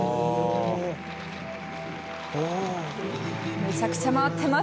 めちゃくちゃ回ってます。